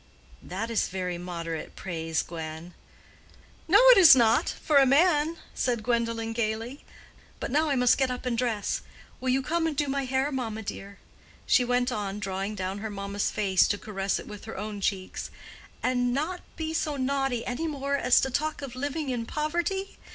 "That is very moderate praise, Gwen." "No, it is not, for a man," said Gwendolen gaily. "But now I must get up and dress. Will you come and do my hair, mamma, dear," she went on, drawing down her mamma's face to caress it with her own cheeks, "and not be so naughty any more as to talk of living in poverty?